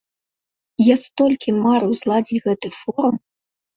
Я столькі марыў зладзіць гэты форум!